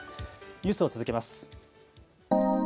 ニュースを続けます。